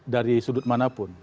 dari sudut manapun